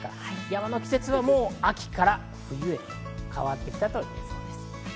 山の季節は秋から冬へと変わってきたといえそうです。